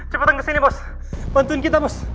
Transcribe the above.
cepetan ke sini bos bantuin kita bos